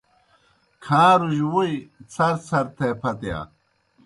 کھاݩروجیْ ووئی څھرڅھر تھے پھتِیا۔